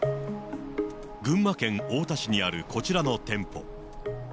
群馬県太田市にあるこちらの店舗。